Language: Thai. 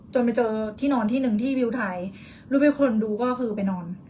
จนไปเจอที่นอนที่หนึ่งที่วิวถ่ายรูปให้คนดูก็คือไปนอน